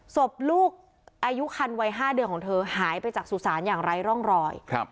ศพลูกอายุคันวัย๕เดือนของเธอหายไปจากสุสานอย่างไร้ร่องรอย